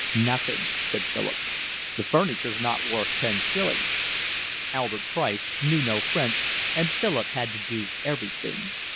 "Nothing," said Philip. "The furniture's not worth ten shillings." Albert Price knew no French and Philip had to do everything.